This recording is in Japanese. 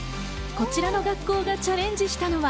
こちらの学校がチャレンジしたのが、